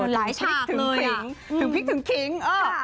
หลายชาติเลยอะถึงพริกถึงคริงถึงพริกถึงคริง